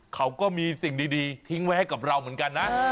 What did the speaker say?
เขาก็มีสิ่งดีทิ้งไว้ให้กับเราเหมือนกันนะ